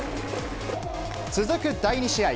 続く第２試合。